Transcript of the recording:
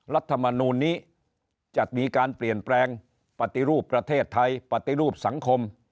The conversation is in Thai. รัฐมนูลนี้จะมีการเปลี่ยนแปลงปฏิรูปประเทศไทยปฏิรูปสังคม